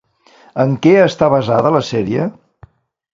En què està basada la sèrie?